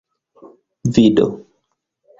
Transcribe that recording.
vido